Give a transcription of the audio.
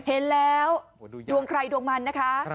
เห็นแล้วดวงใครดวงมันนะคะ